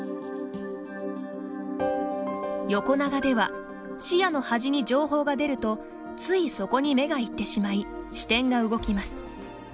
横長では視野の端に情報が出るとついそこに目が行ってしまい視点が動きます。